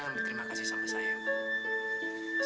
jangan berterima kasih sama saya bang